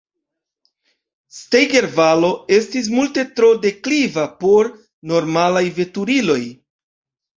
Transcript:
Steiger-valo estis multe tro dekliva por normalaj veturiloj.